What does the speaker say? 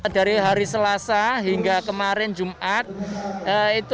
dari hari selasa hingga kemarin jumat